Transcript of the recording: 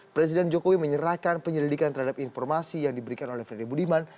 presiden jokowi menyerahkan penyelidikan terhadap informasi yang diberikan oleh freddy budiman